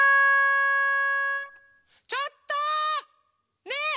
ちょっと！ねえ！